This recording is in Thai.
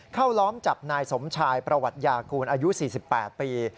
ล้อมจับนายสมชายประวัติยากูลอายุ๔๘ปี